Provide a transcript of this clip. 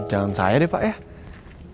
daun saya deh pak ya